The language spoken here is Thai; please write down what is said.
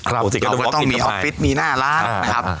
เราต้องมีออฟฟิศมีหน้าร้านครับ